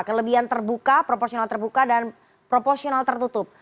kelebihan terbuka proporsional terbuka dan proporsional tertutup